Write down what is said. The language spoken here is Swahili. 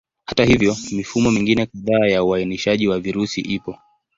Hata hivyo, mifumo mingine kadhaa ya uainishaji wa virusi ipo.